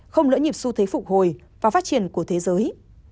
không lỡ nhịp xu thế phục hồi và phát triển của thế giới